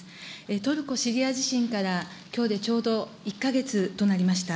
トルコ・シリア地震からきょうでちょうど１か月となりました。